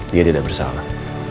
dia tidak bersalah